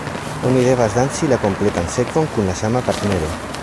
Oni devas danci la kompletan sekvon kun la sama partnero.